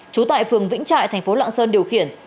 trú tại phường vĩnh trại thành phố lạng sơn điều khiển